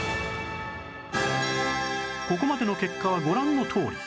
ここまでの結果はご覧のとおり